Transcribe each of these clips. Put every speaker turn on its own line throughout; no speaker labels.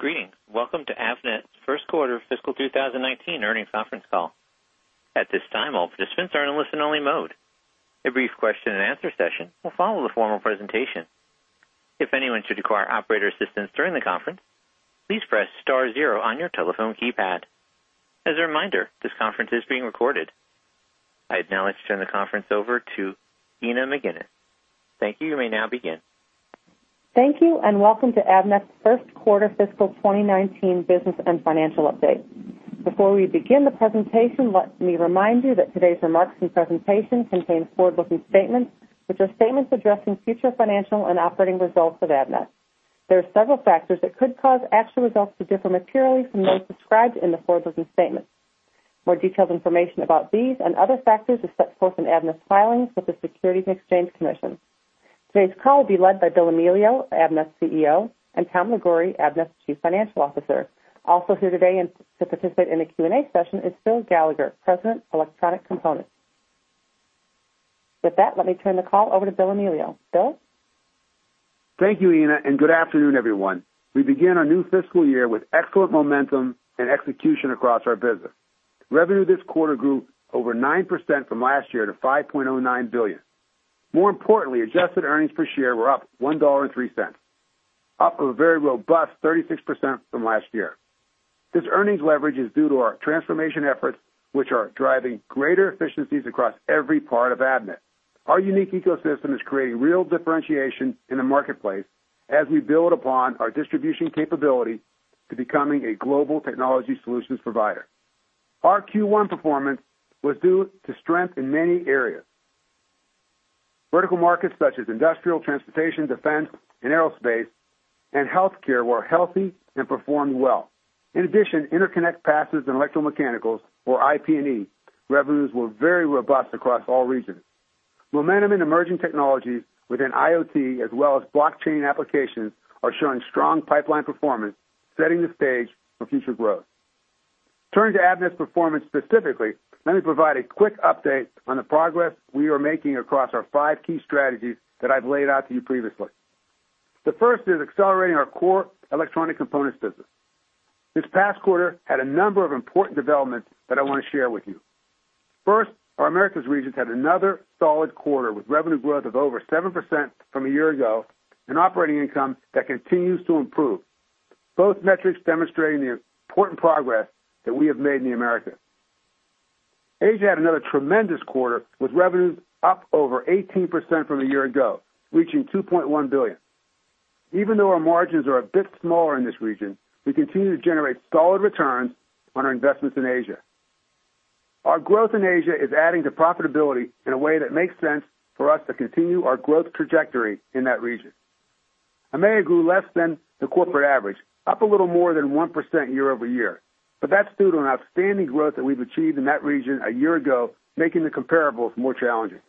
Greetings! Welcome to Avnet's first quarter fiscal 2019 earnings conference call. At this time, all participants are in a listen-only mode. A brief question-and-answer session will follow the formal presentation. If anyone should require operator assistance during the conference, please press star zero on your telephone keypad. As a reminder, this conference is being recorded. I'd now like to turn the conference over to Ina McGuinness. Thank you. You may now begin.
Thank you, and welcome to Avnet's first quarter fiscal 2019 business and financial update. Before we begin the presentation, let me remind you that today's remarks and presentation contains forward-looking statements, which are statements addressing future financial and operating results of Avnet. There are several factors that could cause actual results to differ materially from those described in the forward-looking statement. More detailed information about these and other factors is set forth in Avnet's filings with the Securities and Exchange Commission. Today's call will be led by Bill Amelio, Avnet's CEO, and Tom Liguori, Avnet's Chief Financial Officer. Also here today and to participate in the Q&A session is Phil Gallagher, President Electronic Components. With that, let me turn the call over to Bill Amelio. Bill?
Thank you, Ina, and good afternoon, everyone. We begin our new fiscal year with excellent momentum and execution across our business. Revenue this quarter grew over 9% from last year to $5.09 billion. More importantly, adjusted earnings per share were up $1.03, up a very robust 36% from last year. This earnings leverage is due to our transformation efforts, which are driving greater efficiencies across every part of Avnet. Our unique ecosystem is creating real differentiation in the marketplace as we build upon our distribution capability to becoming a global technology solutions provider. Our Q1 performance was due to strength in many areas. Vertical markets such as industrial, transportation, defense, and aerospace and healthcare were healthy and performed well. In addition, interconnect, passives, and electromechanicals, or IP&E, revenues were very robust across all regions. Momentum in emerging technologies within IoT, as well as blockchain applications, are showing strong pipeline performance, setting the stage for future growth. Turning to Avnet's performance specifically, let me provide a quick update on the progress we are making across our five key strategies that I've laid out to you previously. The first is accelerating our core electronic components business. This past quarter had a number of important developments that I wanna share with you. First, our Americas regions had another solid quarter, with revenue growth of over 7% from a year ago and operating income that continues to improve, both metrics demonstrating the important progress that we have made in the Americas. Asia had another tremendous quarter, with revenues up over 18% from a year ago, reaching $2.1 billion. Even though our margins are a bit smaller in this region, we continue to generate solid returns on our investments in Asia. Our growth in Asia is adding to profitability in a way that makes sense for us to continue our growth trajectory in that region. EMEA grew less than the corporate average, up a little more than 1% year-over-year, but that's due to an outstanding growth that we've achieved in that region a year ago, making the comparables more challenging.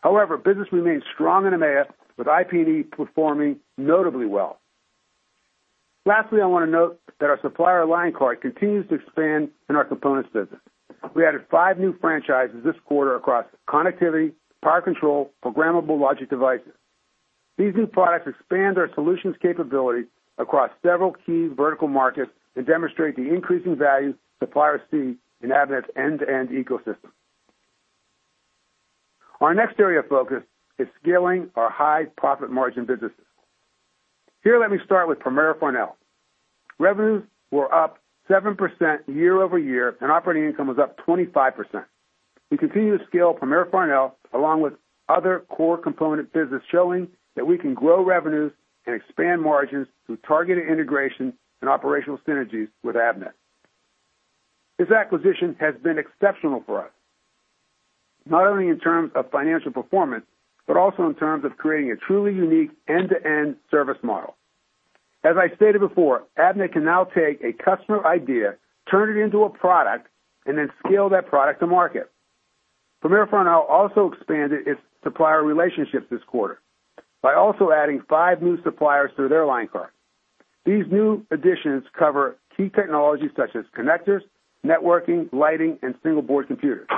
However, business remains strong in EMEA, with IP&E performing notably well. Lastly, I wanna note that our supplier line card continues to expand in our components business. We added five new franchises this quarter across connectivity, power control, programmable logic devices. These new products expand our solutions capability across several key vertical markets and demonstrate the increasing value suppliers see in Avnet's end-to-end ecosystem. Our next area of focus is scaling our high profit margin businesses. Here, let me start with Premier Farnell. Revenues were up 7% year-over-year, and operating income was up 25%. We continue to scale Premier Farnell, along with other core component business, showing that we can grow revenues and expand margins through targeted integration and operational synergies with Avnet. This acquisition has been exceptional for us, not only in terms of financial performance, but also in terms of creating a truly unique end-to-end service model. As I stated before, Avnet can now take a customer idea, turn it into a product, and then scale that product to market. Premier Farnell also expanded its supplier relationships this quarter by also adding five new suppliers to their line card. These new additions cover key technologies such as connectors, networking, lighting, and single board computers.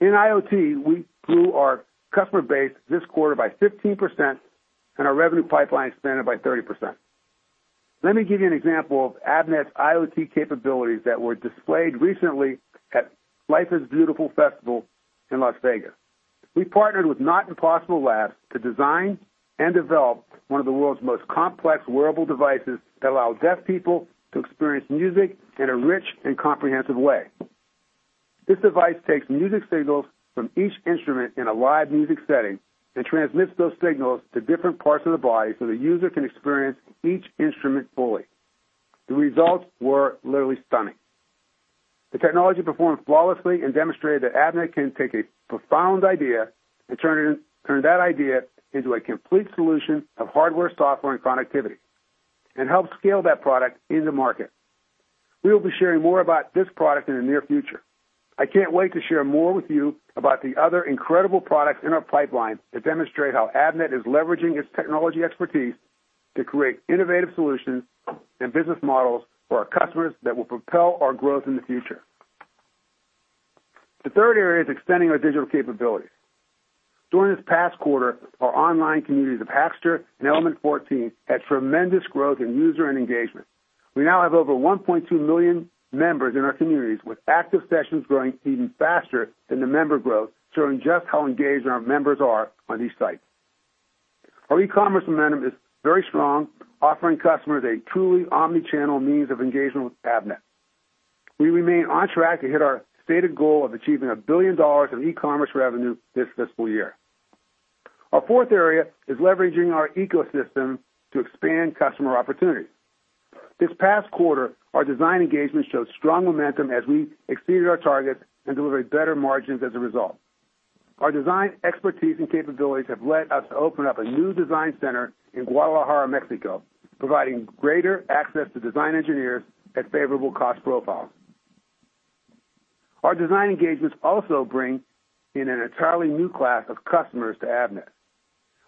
In IoT, we grew our customer base this quarter by 15%, and our revenue pipeline expanded by 30%. Let me give you an example of Avnet's IoT capabilities that were displayed recently at Life is Beautiful Festival in Las Vegas. We partnered with Not Impossible Labs to design and develop one of the world's most complex wearable devices that allow deaf people to experience music in a rich and comprehensive way. This device takes music signals from each instrument in a live music setting and transmits those signals to different parts of the body so the user can experience each instrument fully. The results were literally stunning. The technology performed flawlessly and demonstrated that Avnet can take a profound idea and turn that idea into a complete solution of hardware, software, and connectivity, and help scale that product in the market. We will be sharing more about this product in the near future. I can't wait to share more with you about the other incredible products in our pipeline that demonstrate how Avnet is leveraging its technology expertise to create innovative solutions and business models for our customers that will propel our growth in the future... The third area is extending our digital capabilities. During this past quarter, our online communities of Hackster and Element14 had tremendous growth in user and engagement. We now have over 1.2 million members in our communities, with active sessions growing even faster than the member growth, showing just how engaged our members are on these sites. Our e-commerce momentum is very strong, offering customers a truly omni-channel means of engagement with Avnet. We remain on track to hit our stated goal of achieving $1 billion of e-commerce revenue this fiscal year. Our fourth area is leveraging our ecosystem to expand customer opportunities. This past quarter, our design engagements showed strong momentum as we exceeded our targets and delivered better margins as a result. Our design expertise and capabilities have led us to open up a new design center in Guadalajara, Mexico, providing greater access to design engineers at favorable cost profiles. Our design engagements also bring in an entirely new class of customers to Avnet.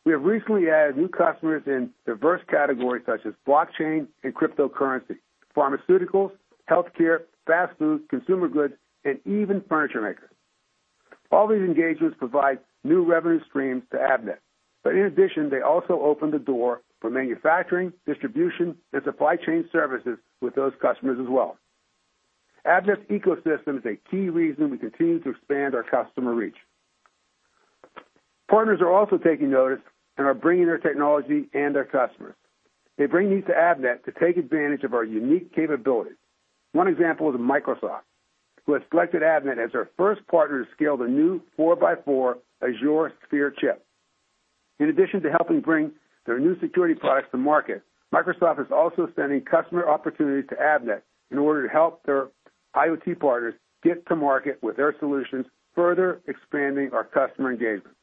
We have recently added new customers in diverse categories such as blockchain and cryptocurrency, pharmaceuticals, healthcare, fast food, consumer goods, and even furniture makers. All these engagements provide new revenue streams to Avnet, but in addition, they also open the door for manufacturing, distribution, and supply chain services with those customers as well. Avnet's ecosystem is a key reason we continue to expand our customer reach. Partners are also taking notice and are bringing their technology and their customers. They bring these to Avnet to take advantage of our unique capabilities. One example is Microsoft, who has selected Avnet as their first partner to scale the new 4x4 Azure Sphere chip. In addition to helping bring their new security products to market, Microsoft is also sending customer opportunities to Avnet in order to help their IoT partners get to market with their solutions, further expanding our customer engagement.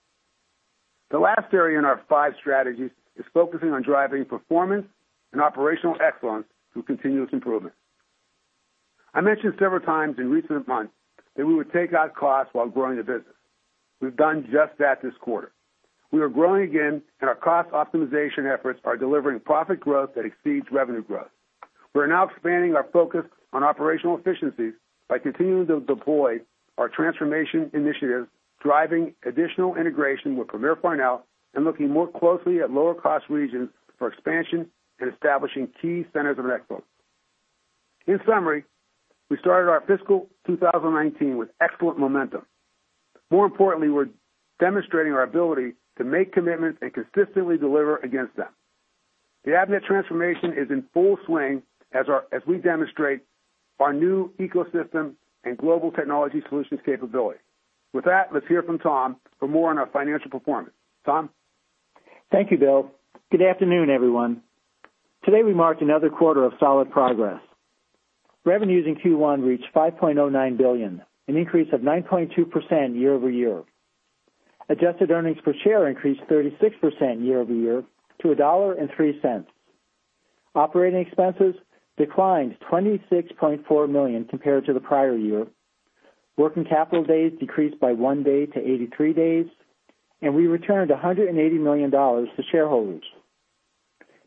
The last area in our five strategies is focusing on driving performance and operational excellence through continuous improvement. I mentioned several times in recent months that we would take out costs while growing the business. We've done just that this quarter. We are growing again, and our cost optimization efforts are delivering profit growth that exceeds revenue growth. We're now expanding our focus on operational efficiencies by continuing to deploy our transformation initiatives, driving additional integration with Premier Farnell, and looking more closely at lower-cost regions for expansion and establishing key centers of excellence. In summary, we started our fiscal 2019 with excellent momentum. More importantly, we're demonstrating our ability to make commitments and consistently deliver against them. The Avnet transformation is in full swing as we demonstrate our new ecosystem and global technology solutions capability. With that, let's hear from Tom for more on our financial performance. Tom?
Thank you, Bill. Good afternoon, everyone. Today, we marked another quarter of solid progress. Revenues in Q1 reached $5.09 billion, an increase of 9.2% year-over-year. Adjusted earnings per share increased 36% year-over-year to $1.03. Operating expenses declined $26.4 million compared to the prior year. Working capital days decreased by one day to 83 days, and we returned $180 million to shareholders.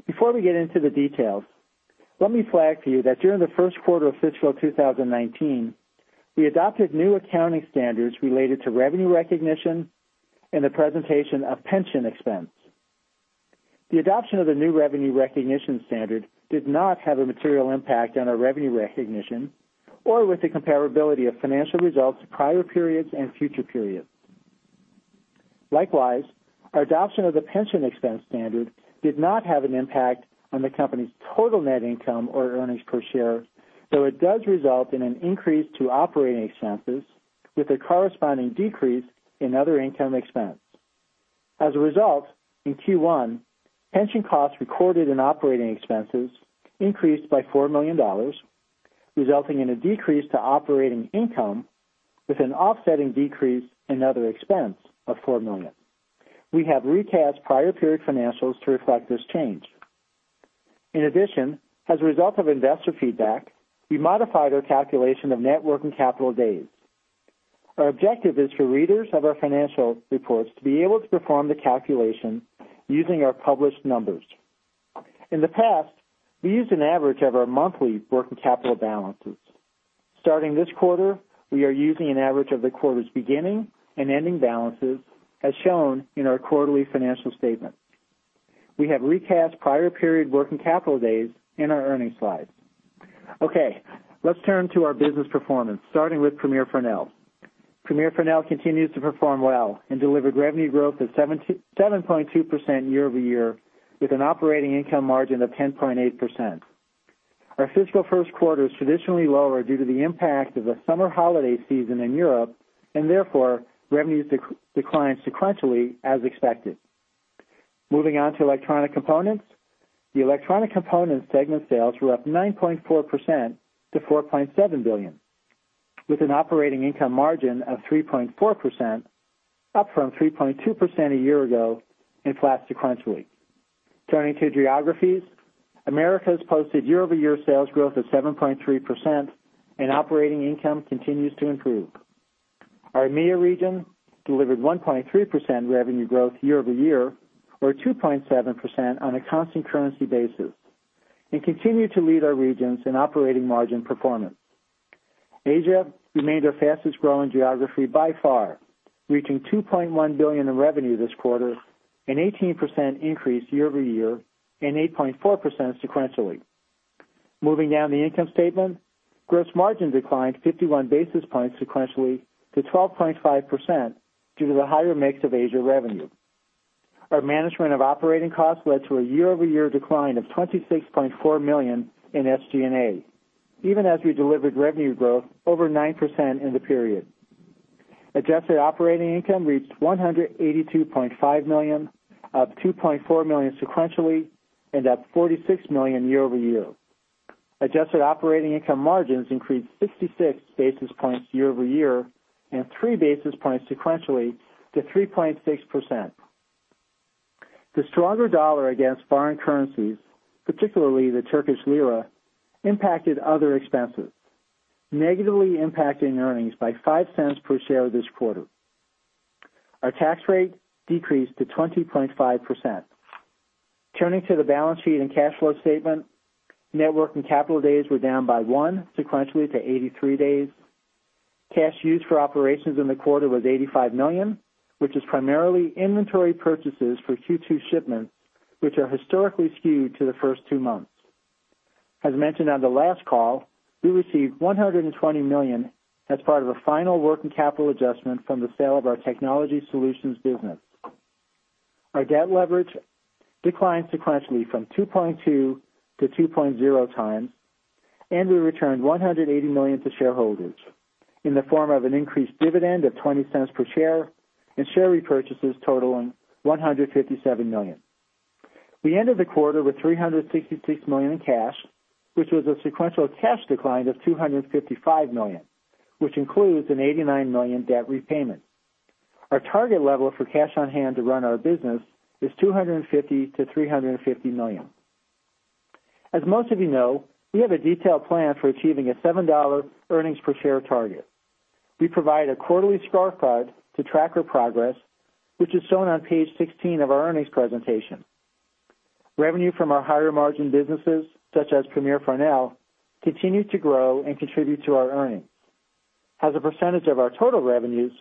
Before we get into the details, let me flag to you that during the first quarter of fiscal 2019, we adopted new accounting standards related to revenue recognition and the presentation of pension expense. The adoption of the new revenue recognition standard did not have a material impact on our revenue recognition or with the comparability of financial results to prior periods and future periods. Likewise, our adoption of the pension expense standard did not have an impact on the company's total net income or earnings per share, though it does result in an increase to operating expenses with a corresponding decrease in other income expense. As a result, in Q1, pension costs recorded in operating expenses increased by $4 million, resulting in a decrease to operating income with an offsetting decrease in other expense of $4 million. We have recast prior period financials to reflect this change. In addition, as a result of investor feedback, we modified our calculation of net working capital days. Our objective is for readers of our financial reports to be able to perform the calculation using our published numbers. In the past, we used an average of our monthly working capital balances. Starting this quarter, we are using an average of the quarter's beginning and ending balances, as shown in our quarterly financial statement. We have recast prior period working capital days in our earnings slides. Okay, let's turn to our business performance, starting with Premier Farnell. Premier Farnell continues to perform well and delivered revenue growth of 77.2% year over year, with an operating income margin of 10.8%. Our fiscal first quarter is traditionally lower due to the impact of the summer holiday season in Europe, and therefore, revenues declined sequentially as expected. Moving on to electronic components. The electronic components segment sales were up 9.4% to $4.7 billion, with an operating income margin of 3.4%, up from 3.2% a year ago and flat sequentially. Turning to geographies, Americas posted year-over-year sales growth of 7.3%, and operating income continues to improve. Our EMEA region delivered 1.3% revenue growth year-over-year, or 2.7% on a constant currency basis.... and continue to lead our regions in operating margin performance. Asia remained our fastest-growing geography by far, reaching $2.1 billion in revenue this quarter, an 18% increase year-over-year and 8.4% sequentially. Moving down the income statement, gross margin declined 51 basis points sequentially to 12.5% due to the higher mix of Asia revenue. Our management of operating costs led to a year-over-year decline of $26.4 million in SG&A, even as we delivered revenue growth over 9% in the period. Adjusted operating income reached $182.5 million, up $2.4 million sequentially and up $46 million year-over-year. Adjusted operating income margins increased 66 basis points year-over-year and 3 basis points sequentially to 3.6%. The stronger dollar against foreign currencies, particularly the Turkish lira, impacted other expenses, negatively impacting earnings by $0.05 per share this quarter. Our tax rate decreased to 20.5%. Turning to the balance sheet and cash flow statement, net working capital days were down by one sequentially to 83 days. Cash used for operations in the quarter was $85 million, which is primarily inventory purchases for Q2 shipments, which are historically skewed to the first two months. As mentioned on the last call, we received $120 million as part of a final working capital adjustment from the sale of our technology solutions business. Our debt leverage declined sequentially from 2.2x-2.0x, and we returned $180 million to shareholders in the form of an increased dividend of $0.20 per share and share repurchases totaling $157 million. We ended the quarter with $366 million in cash, which was a sequential cash decline of $255 million, which includes an $89 million debt repayment. Our target level for cash on hand to run our business is $250 million-$350 million. As most of you know, we have a detailed plan for achieving a $7 earnings per share target. We provide a quarterly scorecard to track our progress, which is shown on page 16 of our earnings presentation. Revenue from our higher-margin businesses, such as Premier Farnell, continued to grow and contribute to our earnings. As a percentage of our total revenues,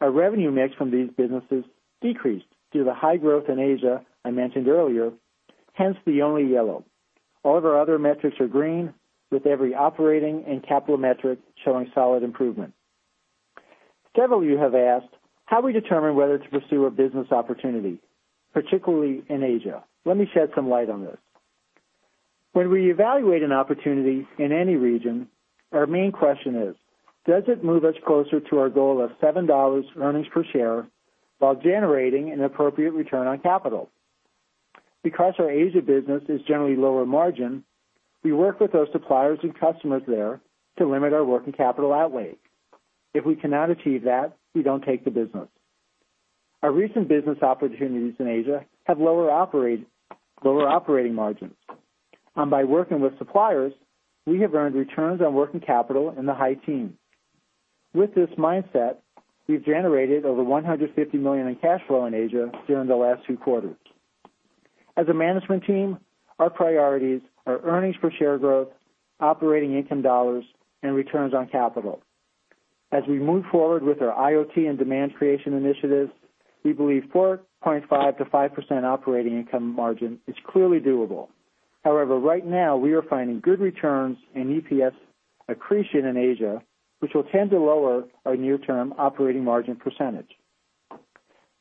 our revenue mix from these businesses decreased due to the high growth in Asia I mentioned earlier, hence the only yellow. All of our other metrics are green, with every operating and capital metric showing solid improvement. Several of you have asked how we determine whether to pursue a business opportunity, particularly in Asia. Let me shed some light on this. When we evaluate an opportunity in any region, our main question is: Does it move us closer to our goal of $7 earnings per share while generating an appropriate return on capital? Because our Asia business is generally lower margin, we work with those suppliers and customers there to limit our working capital outlays. If we cannot achieve that, we don't take the business. Our recent business opportunities in Asia have lower operating margins, and by working with suppliers, we have earned returns on working capital in the high teens. With this mindset, we've generated over $150 million in cash flow in Asia during the last two quarters. As a management team, our priorities are earnings per share growth, operating income dollars, and returns on capital. As we move forward with our IoT and demand creation initiatives, we believe 4.5%-5% operating income margin is clearly doable. However, right now, we are finding good returns and EPS accretion in Asia, which will tend to lower our near-term operating margin percentage.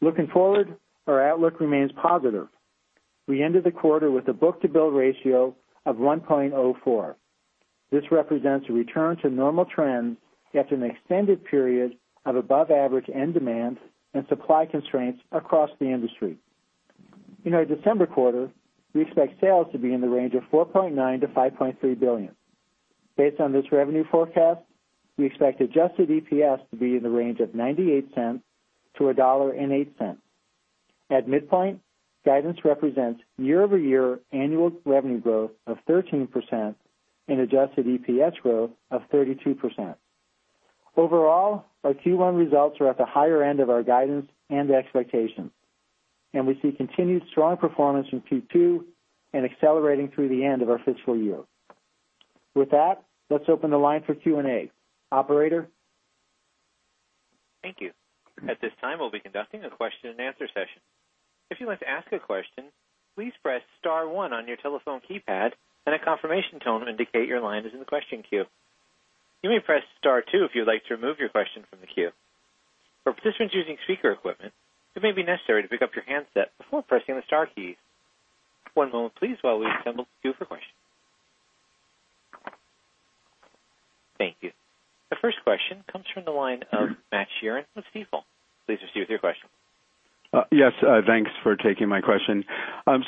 Looking forward, our outlook remains positive. We ended the quarter with a book-to-bill ratio of 1.04. This represents a return to normal trends after an extended period of above-average end demand and supply constraints across the industry. In our December quarter, we expect sales to be in the range of $4.9 billion-$5.3 billion. Based on this revenue forecast, we expect adjusted EPS to be in the range of $0.98-$1.08. At midpoint, guidance represents year-over-year annual revenue growth of 13% and adjusted EPS growth of 32%. Overall, our Q1 results are at the higher end of our guidance and expectations, and we see continued strong performance in Q2 and accelerating through the end of our fiscal year. With that, let's open the line for Q&A. Operator?
Thank you. At this time, we'll be conducting a question-and-answer session. If you'd like to ask a question, please press star one on your telephone keypad, and a confirmation tone will indicate your line is in the question queue. You may press star two if you'd like to remove your question from the queue. For participants using speaker equipment, it may be necessary to pick up your handset before pressing the star keys. One moment please while we assemble the queue for questions. Thank you. The first question comes from the line of Matt Sheerin with Stifel. Please proceed with your question.
Yes, thanks for taking my question.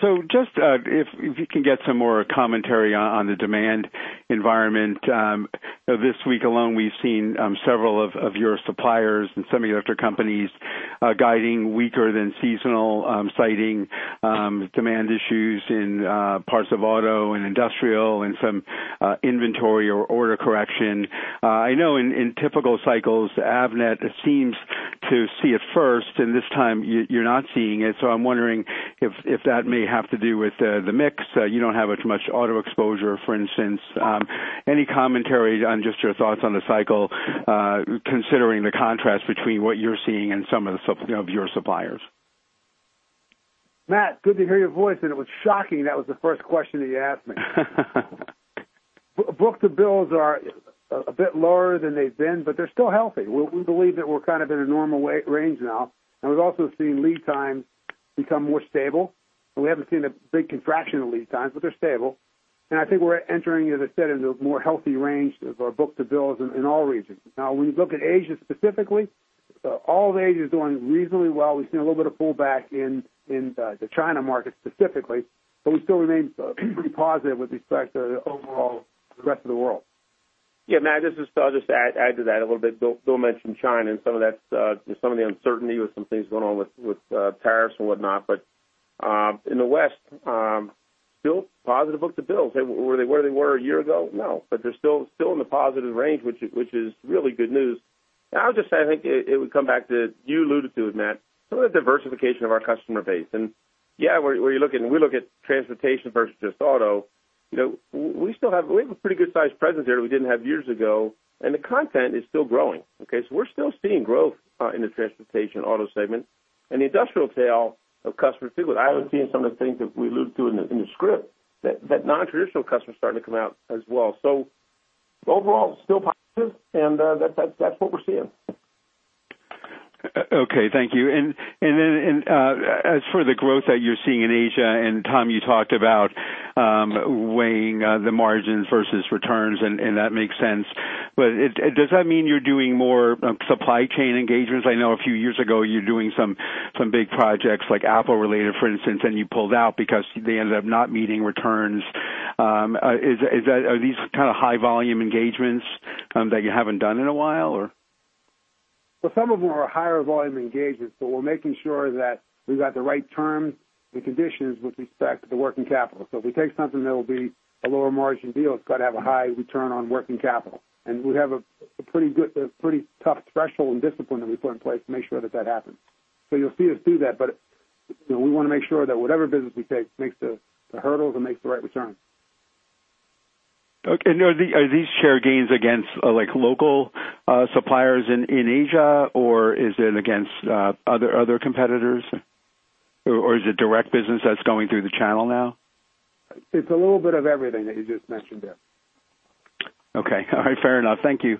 So just, if you can get some more commentary on the demand environment. This week alone, we've seen several of your suppliers and semiconductor companies guiding weaker than seasonal, citing demand issues in parts of auto and industrial and some inventory or order correction. I know in typical cycles, Avnet seems to see it first, and this time you, you're not seeing it. So I'm wondering if that may have to do with the mix. You don't have as much auto exposure, for instance. Any commentary on just your thoughts on the cycle, considering the contrast between what you're seeing and some of the suppliers?
Matt, good to hear your voice, and it was shocking that was the first question that you asked me. Book-to-bills are a bit lower than they've been, but they're still healthy. We believe that we're kind of in a normal way range now, and we've also seen lead times become more stable, and we haven't seen a big contraction of lead times, but they're stable. I think we're entering, as I said, into a more healthy range of our book-to-bills in all regions. Now, when you look at Asia specifically, all of Asia is doing reasonably well. We've seen a little bit of pullback in the China market specifically, but we still remain pretty positive with respect to the overall, the rest of the world.
Yeah, Matt, this is Phil, I'll just add to that a little bit. Bill mentioned China, and some of that's some of the uncertainty with some things going on with tariffs and whatnot. But in the West, still positive Book-to-Bill. Say, were they where they were a year ago? No, but they're still in the positive range, which is really good news. And I'll just say, I think it would come back to what you alluded to, Matt, some of the diversification of our customer base. And, yeah, we're looking, we look at transportation versus just auto. You know, we still have a pretty good size presence there that we didn't have years ago, and the content is still growing, okay? So we're still seeing growth in the transportation auto segment and the industrial tail of customers, too. I haven't seen some of the things that we alluded to in the script, that non-traditional customers starting to come out as well. So overall, still positive, and that's what we're seeing.
Okay. Thank you. Then, as for the growth that you're seeing in Asia, Tom, you talked about weighing the margins versus returns, and that makes sense. But does that mean you're doing more supply chain engagements? I know a few years ago you were doing some big projects like Apple related, for instance, and you pulled out because they ended up not meeting returns. Is that, are these kind of high volume engagements that you haven't done in a while, or?
Well, some of them are higher volume engagements, but we're making sure that we've got the right terms and conditions with respect to the working capital. So if we take something that will be a lower margin deal, it's got to have a high return on working capital. And we have a pretty good, pretty tough threshold and discipline that we put in place to make sure that that happens. So you'll see us do that, but, you know, we want to make sure that whatever business we take makes the hurdles and makes the right return.
Okay. Now, are these share gains against, like, local suppliers in Asia, or is it against other competitors? Or is it direct business that's going through the channel now?
It's a little bit of everything that you just mentioned there.
Okay. All right. Fair enough. Thank you.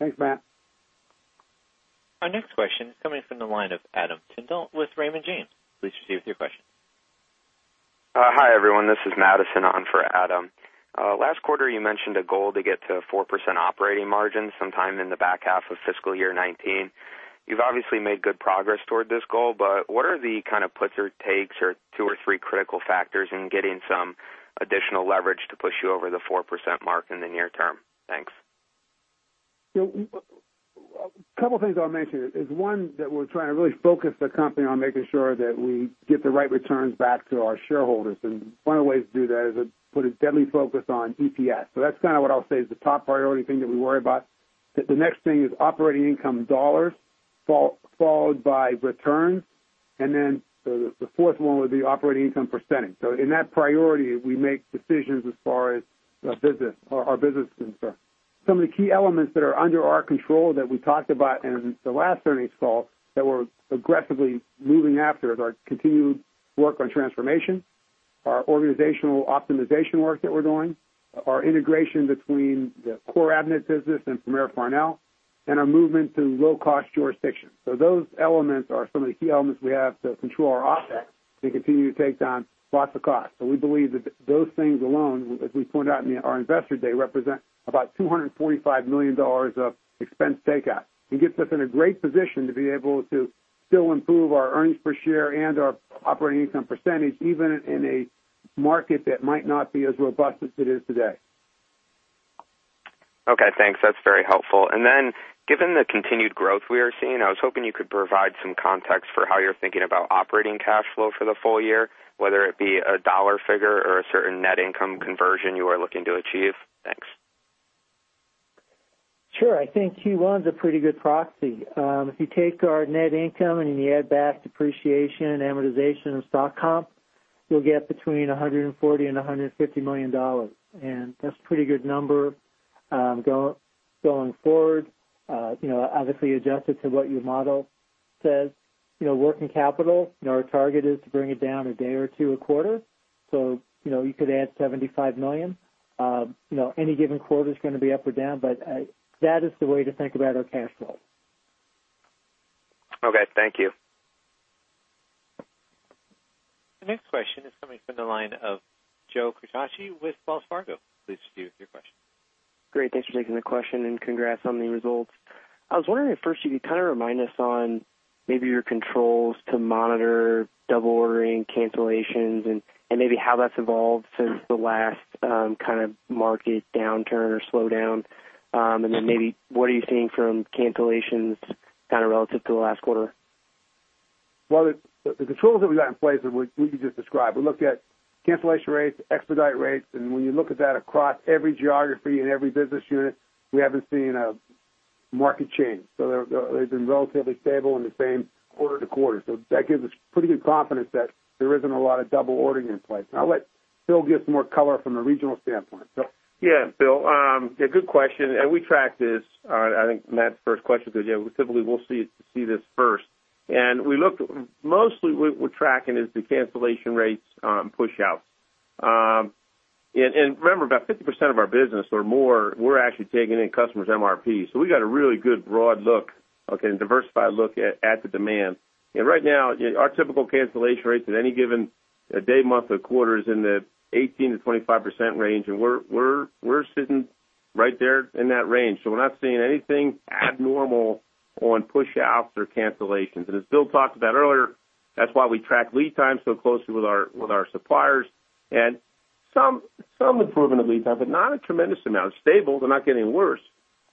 Thanks, Matt.
Our next question is coming from the line of Adam Tindle with Raymond James. Please proceed with your question.
Hi, everyone. This is Madison on for Adam. Last quarter, you mentioned a goal to get to 4% operating margin sometime in the back half of fiscal year 2019. You've obviously made good progress toward this goal, but what are the kind of puts or takes or two or three critical factors in getting some additional leverage to push you over the 4% mark in the near term? Thanks.
You know, a couple things I'll mention is, one, that we're trying to really focus the company on making sure that we get the right returns back to our shareholders, and one of the ways to do that is to put a deadly focus on EPS. So that's kind of what I'll say is the top priority thing that we worry about. That the next thing is operating income dollars, followed by returns, and then the, the fourth one would be operating income percentage. So in that priority, we make decisions as far as the business or our business is concerned. Some of the key elements that are under our control that we talked about in the last earnings call, that we're aggressively moving after, is our continued work on transformation, our organizational optimization work that we're doing, our integration between the core Avnet business and Premier Farnell, and our movement to low-cost jurisdictions. So those elements are some of the key elements we have to control our OpEx and continue to take down lots of costs. So we believe that those things alone, as we pointed out in our Investor Day, represent about $245 million of expense takeout, and gets us in a great position to be able to still improve our earnings per share and our operating income percentage, even in a market that might not be as robust as it is today.
Okay, thanks. That's very helpful. And then, given the continued growth we are seeing, I was hoping you could provide some context for how you're thinking about operating cash flow for the full year, whether it be a dollar figure or a certain net income conversion you are looking to achieve. Thanks.
Sure. I think Q1's a pretty good proxy. If you take our net income and you add back depreciation and amortization of stock comp, you'll get between $140 million and $150 million, and that's a pretty good number. Going forward, you know, obviously adjusted to what your model says, you know, working capital, you know, our target is to bring it down a day or two a quarter. So, you know, you could add $75 million. You know, any given quarter is going to be up or down, but that is the way to think about our cash flow.
Okay, thank you.
The next question is coming from the line of Joe Quatrochi with Wells Fargo. Please proceed with your question.
Great. Thanks for taking the question, and congrats on the results. I was wondering if first you could kind of remind us on maybe your controls to monitor double ordering, cancellations and maybe how that's evolved since the last kind of market downturn or slowdown. And then maybe what are you seeing from cancellations, kind of, relative to the last quarter?
Well, the tools that we got in place, we could just describe. We look at cancellation rates, expedite rates, and when you look at that across every geography and every business unit, we haven't seen a market change. So they've been relatively stable in the same quarter to quarter. So that gives us pretty good confidence that there isn't a lot of double ordering in place. I'll let Phil give some more color from a regional standpoint, Phil?
Yeah, Bill, yeah, good question, and we track this. I think Matt's first question is, yeah, we typically will see this first. And we look, mostly we're tracking is the cancellation rates, push out. And remember, about 50% of our business or more, we're actually taking in customers MRP. So we got a really good broad look, okay, and diversified look at the demand. And right now, our typical cancellation rates at any given day, month, or quarter is in the 18%-25% range, and we're sitting right there in that range. So we're not seeing anything abnormal on push outs or cancellations. And as Bill talked about earlier, that's why we track lead time so closely with our suppliers. And some improvement of lead time, but not a tremendous amount. Stable, they're not getting worse,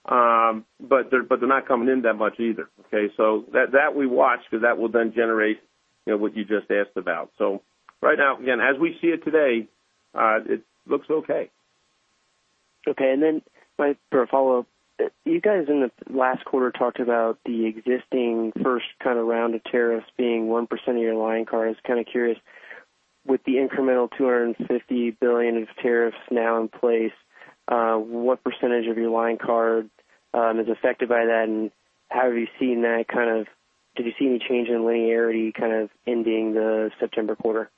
but they're not coming in that much either, okay? So that we watch because that will then generate, you know, what you just asked about. So right now, again, as we see it today, it looks okay.
Okay, now for a follow-up, you guys in the last quarter talked about the existing first kind of round of tariffs being 1% of your line card. I was kind of curious, with the incremental $250 billion of tariffs now in place, what percentage of your line card is affected by that? And how have you seen that kind of, did you see any change in linearity kind of ending the September quarter?
No,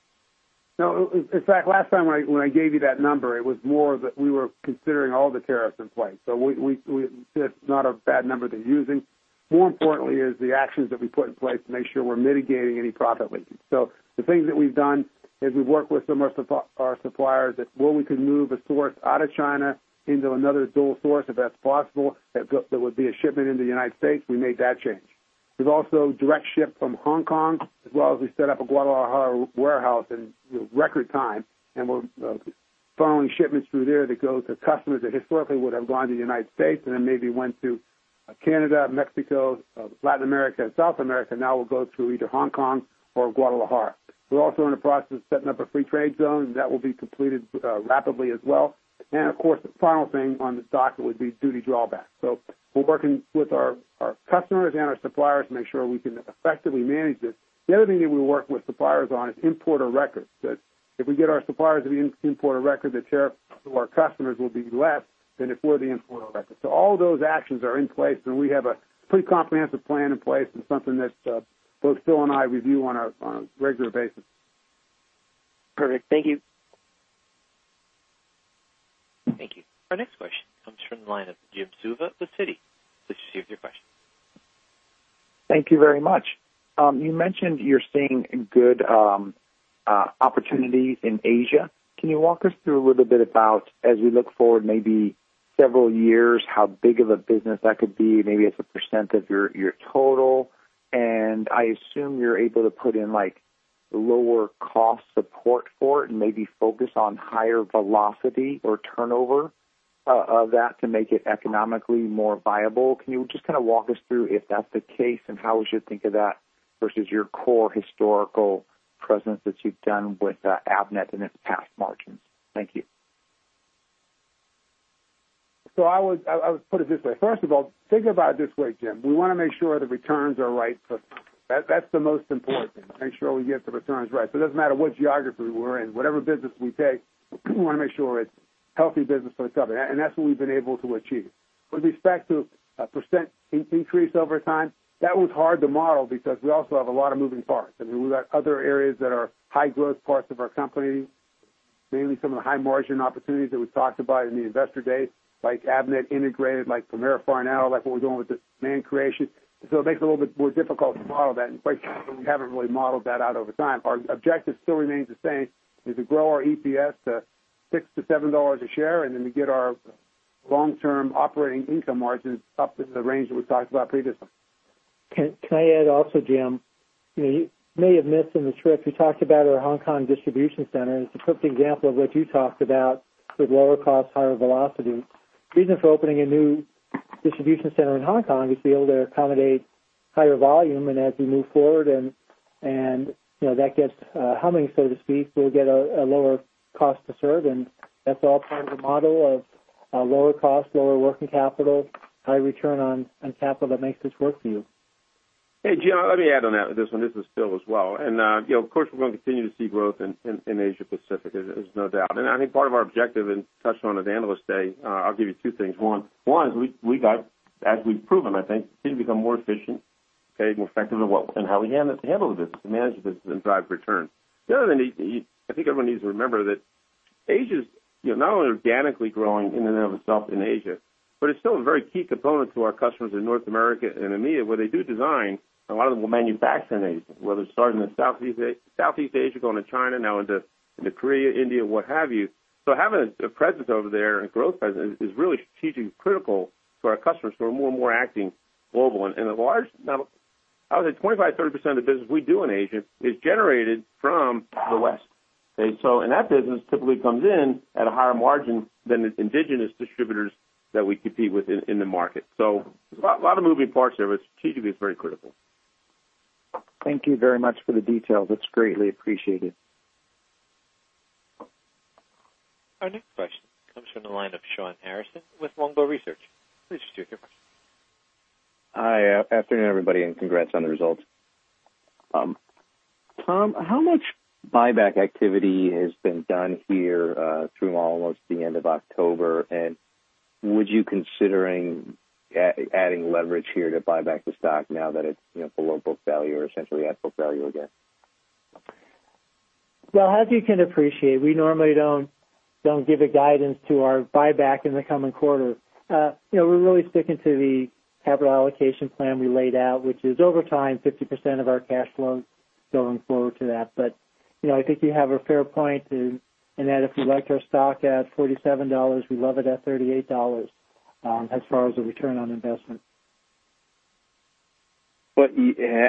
in fact, last time when I gave you that number, it was more that we were considering all the tariffs in place. So we, it's not a bad number they're using. More importantly is the actions that we put in place to make sure we're mitigating any profit leakage. So the things that we've done is we've worked with some of our suppliers that where we could move a source out of China into another dual source, if that's possible, that there would be a shipment into the United States, we made that change. We've also direct ship from Hong Kong, as well as we set up a Guadalajara warehouse in record time, and we're funneling shipments through there that go to customers that historically would have gone to the United States and then maybe went to Canada, Mexico, Latin America, and South America, now will go through either Hong Kong or Guadalajara. We're also in the process of setting up a free trade zone that will be completed rapidly as well. Of course, the final thing on the docket would be duty drawback. We're working with our customers and our suppliers to make sure we can effectively manage this. The other thing that we work with suppliers on is importer of record. That if we get our suppliers to be importer of record, the tariff to our customers will be less than if we're the importer of record. So all those actions are in place, and we have a pretty comprehensive plan in place and something that both Bill and I review on a regular basis.
Perfect. Thank you.
Thank you. Our next question comes from the line of Jim Suva of Citi. Please proceed with your question.
Thank you very much. You mentioned you're seeing good opportunities in Asia. Can you walk us through a little bit about, as we look forward, maybe several years, how big of a business that could be, maybe as a percent of your total? I assume you're able to put in, like, lower cost support for it and maybe focus on higher velocity or turnover of that to make it economically more viable. Can you just kind of walk us through if that's the case, and how we should think of that versus your core historical presence that you've done with Avnet and its past margins? Thank you.
So I would put it this way. First of all, think about it this way, Jim. We want to make sure the returns are right for... That, that's the most important thing, make sure we get the returns right. So it doesn't matter what geography we're in, whatever business we take, we want to make sure it's healthy business for itself, and that's what we've been able to achieve. With respect to a percent increase over time, that one's hard to model because we also have a lot of moving parts. I mean, we've got other areas that are high-growth parts of our company, mainly some of the high-margin opportunities that we talked about in the Investor Day, like Avnet Integrated, like Premier Farnell, like what we're doing with Demand Creation. It makes it a little bit more difficult to model that, and quite frankly, we haven't really modeled that out over time. Our objective still remains the same, is to grow our EPS to $6-$7 a share, and then to get our long-term operating income margins up in the range that we talked about previously.
Can I add also, Jim, you may have missed in the script, we talked about our Hong Kong distribution center, and it's a perfect example of what you talked about with lower cost, higher velocity. The reason for opening a new distribution center in Hong Kong is to be able to accommodate higher volume, and as we move forward and, you know, that gets humming, so to speak, we'll get a lower cost to serve, and that's all part of the model of lower cost, lower working capital, high return on capital that makes this work for you.
Hey, Jim, let me add on that. This one, this is Bill as well. And, you know, of course, we're going to continue to see growth in Asia Pacific, there's no doubt.I think part of our objective, and touched on at Analyst Day, I'll give you two things. One is we got, as we've proven, I think seem to become more efficient, okay, and effective in what and how we handle this, to manage this and drive returns. The other thing I think everyone needs to remember that Asia's, you know, not only organically growing in and of itself in Asia, but it's still a very key component to our customers in North America and EMEA, where they do design, a lot of them will manufacture in Asia, whether it's starting in Southeast Asia, going to China, now into Korea, India, what have you. So having a presence over there and growth presence is really strategically critical for our customers who are more and more acting global. And a large number... I would say 25%-30% of the business we do in Asia is generated from the West. Okay, so and that business typically comes in at a higher margin than the indigenous distributors that we compete with in the market. So a lot of moving parts there, but strategically, it's very critical.
Thank you very much for the details. It's greatly appreciated.
Our next question comes from the line of Shawn Harrison with Longbow Research. Please state your question.
Hi, afternoon, everybody, and congrats on the results. Tom, how much buyback activity has been done here through almost the end of October? And would you considering adding leverage here to buy back the stock now that it's, you know, below book value or essentially at book value again?
Well, as you can appreciate, we normally don't give guidance to our buyback in the coming quarter. You know, we're really sticking to the capital allocation plan we laid out, which is, over time, 50% of our cash flow going forward to that. But, you know, I think you have a fair point in that if we liked our stock at $47, we love it at $38, as far as the return on investment.
But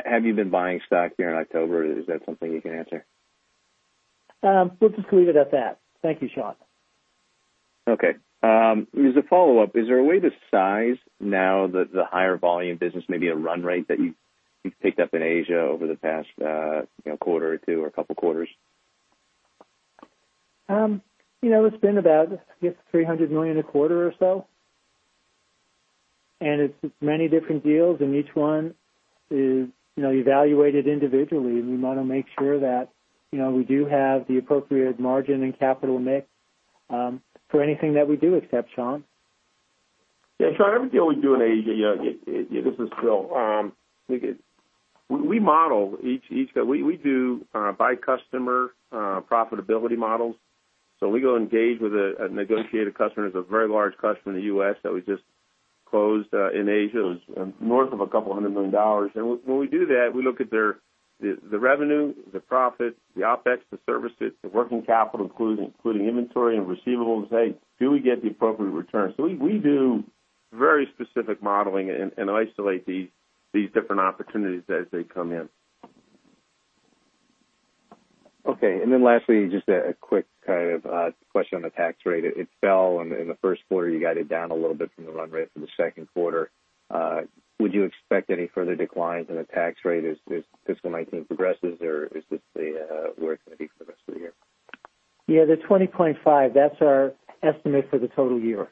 have you been buying stock here in October? Is that something you can answer?
We'll just leave it at that. Thank you, Shawn.
Okay, as a follow-up, is there a way to size now that the higher volume business, maybe a run rate that you've picked up in Asia over the past, you know, quarter or two or a couple quarters?
You know, it's been about, I guess, $300 million a quarter or so, and it's many different deals, and each one is, you know, evaluated individually, and we want to make sure that, you know, we do have the appropriate margin and capital mix for anything that we do accept, Shawn.
Yeah, Shawn, everything we do in Asia, you know, this is Phil. We model each... We do by customer profitability models. So we go engage with a negotiated customer; it's a very large customer in the U.S. that we just closed in Asia. It was north of $200 million. And when we do that, we look at their the revenue, the profit, the OpEx, the services, the working capital, including inventory and receivables, and say, "Do we get the appropriate return?" So we do very specific modeling and isolate these different opportunities as they come in.
Okay. Then lastly, just a quick kind of question on the tax rate. It fell in the first quarter. You got it down a little bit from the run rate for the second quarter. Would you expect any further declines in the tax rate as fiscal 2019 progresses, or is this the where it's going to be for the rest of the year?
Yeah, the $20.5, that's our estimate for the total year.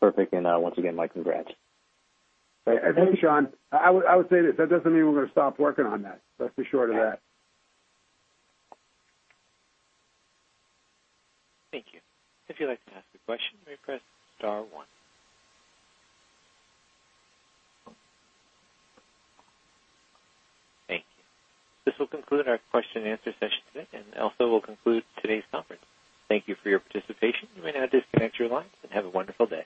Perfect. Once again, my congrats.
Thank you, Sean. I would, I would say this, that doesn't mean we're going to stop working on that. Let's be sure of that.
Thank you. If you'd like to ask a question, may press star one. Thank you. This will conclude our question and answer session today, and also we'll conclude today's conference. Thank you for your participation. You may now disconnect your lines, and have a wonderful day.